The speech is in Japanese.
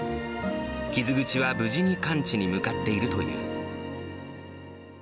傷口は無事に完治に向かっているという。